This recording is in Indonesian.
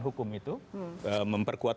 hukum itu memperkuat